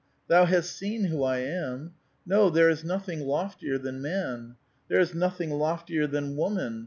Thou hast seen who I am. No, there is nothing loftier than man ; there is nothing loftier than woman.